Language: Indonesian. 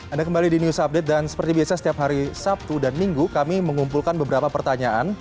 anda kembali di news update dan seperti biasa setiap hari sabtu dan minggu kami mengumpulkan beberapa pertanyaan